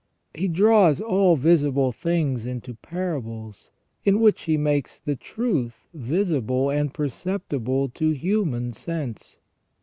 He draws all visible things into parables, in which He makes the truth visible and perceptible to human sense.